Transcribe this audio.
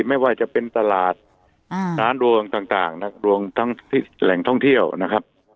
ไม่ว่าจะเป็นตลาดร้านโรงต่างที่แหล่งท่องเที่ยวนะครับ